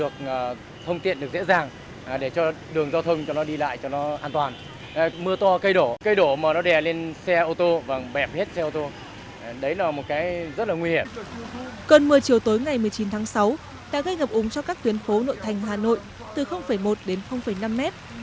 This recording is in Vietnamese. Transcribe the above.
cơn mưa chiều tối ngày một mươi chín tháng sáu đã gây ngập úng cho các tuyến phố nội thành hà nội từ một đến năm mét